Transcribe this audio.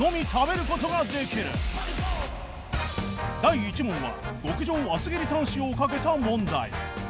第１問は極上厚切タン塩を懸けた問題